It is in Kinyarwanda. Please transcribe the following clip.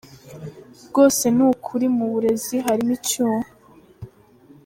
Rwose ni ukuri mu burezi harimo icyuho.